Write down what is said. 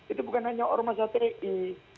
itu bukan hanya ormas hti